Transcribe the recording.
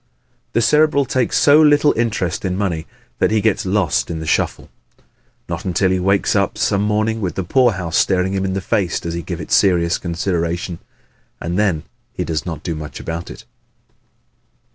The Cerebral takes so little interest in money that he gets lost in the shuffle. Not until he wakes up some morning with the poorhouse staring him in the face does he give it serious consideration. And then he does not do much about it.